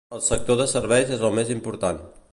El sector de serveis és el més important.